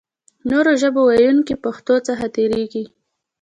نورو ژبو ویونکي پښتو څخه تېرېږي.